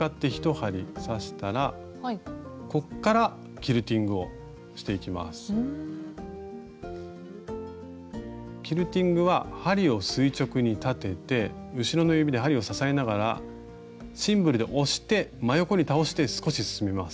キルティングは針を垂直に立てて後ろの指で針を支えながらシンブルで押して真横に倒して少し進みます。